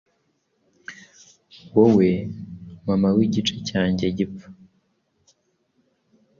Wowe, Mama w'igice cyanjye gipfa,